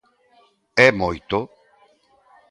¿É moito?